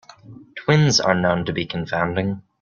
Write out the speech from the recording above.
Twins are known to be confounding.